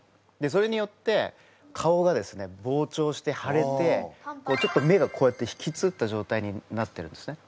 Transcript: それによって顔がですねぼうちょうしてはれてちょっと目がこうやってひきつった状態になってるんですね。